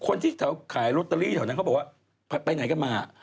คนที่แถวขายลอตเตอรี่แถวนั้นเขาบอกว่าไปไหนกันมา